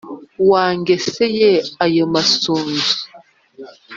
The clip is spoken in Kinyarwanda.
wangeseye aya masunzu